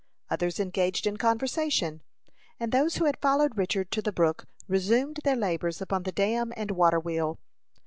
Others engaged in conversation, and those who had followed Richard to the brook resumed their labors upon the dam and water wheel.